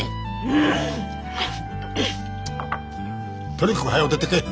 とにかくはよ出てけ！